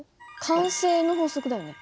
慣性の法則だよね。